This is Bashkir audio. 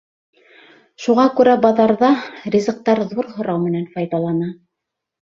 Шуға күрә баҙарҙа ризыҡтар ҙур һорау менән файҙалана.